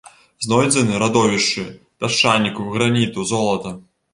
Знойдзены радовішчы пясчаніку, граніту, золата.